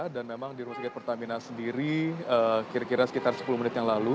dan memang di rumah sakit pertamina sendiri kira kira sekitar sepuluh menit yang lalu